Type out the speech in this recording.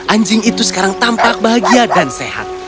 anjing itu sekarang tampak bahagia dan sehat